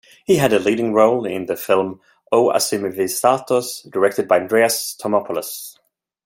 He had the leading role in the film "O Asymvivastos", directed by Andreas Thomopoulos.